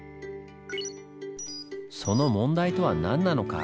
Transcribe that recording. その問題とは何なのか？